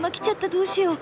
どうしよう。